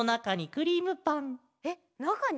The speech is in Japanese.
えっなかに？